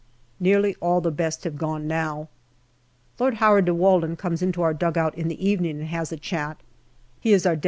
Nearly all the best have gone now. Lord Howard de Walden comes into our dugout in the evening OCTOBER 255 and has a chat ; he is our D.A.